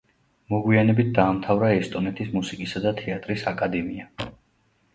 მოგვიანებით დაამთავრა ესტონეთის მუსიკისა და თეატრის აკადემია.